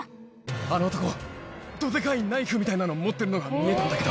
あの男、どでかいナイフみたいなものを持ってるのが見えたんだけど。